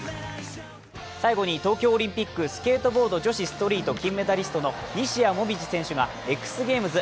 最後に東京オリンピック、スケートボード女子ストリート金メダリストの西矢椛選手がＸゲームズ